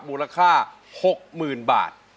มูลค่า๖๐๐๐บาท